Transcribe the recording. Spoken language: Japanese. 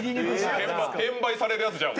転売されるやつちゃうん？